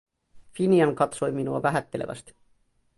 Finian katsoi minua vähättelevästi: